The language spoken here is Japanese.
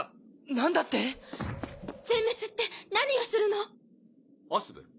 何だって⁉全滅って何をするの⁉アスベル